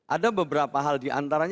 ada beberapa hal diantaranya